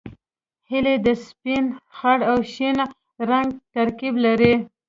هیلۍ د سپین، خړ او شین رنګ ترکیب لري